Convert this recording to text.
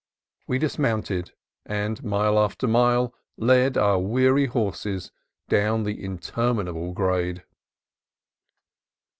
We dismounted, and mile after mile led our weary horses down the inter minable grade.